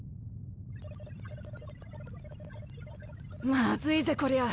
マズいぜこりゃ。